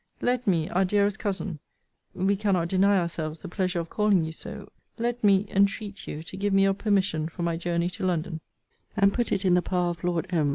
Let me, our dearest cousin, [we cannot deny ourselves the pleasure of calling you so; let me] entreat you to give me your permission for my journey to London; and put it in the power of Lord M.